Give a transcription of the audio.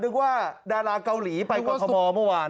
นึกว่าดาราเกาหลีไปกรทมเมื่อวาน